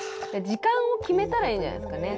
時間を決めたらいいんじゃないですかね。